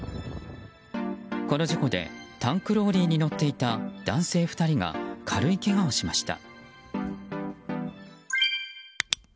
この事故でタンクローリーに乗っていた男性２人が軽いけがをしました。